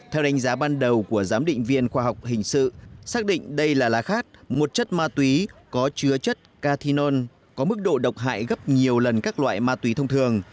theo đánh giá ban đầu của giám định viên khoa học hình sự xác định đây là lá khát một chất ma túy có chứa chất cathinol có mức độ độc hại gấp nhiều lần các loại ma túy thông thường